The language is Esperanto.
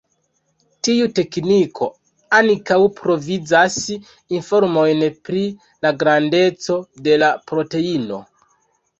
Tiu tekniko ankaŭ provizas informojn pri la grandeco de la proteino.